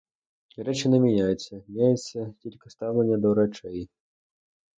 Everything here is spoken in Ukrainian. Речі не міняються, міняється тільки ставлення до речей.